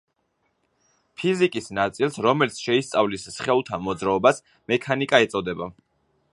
ფიზიკის ნაწილს, რომელიც შეისწავლის სხეულთა მოძრაობას, მექანიკა ეწოდება.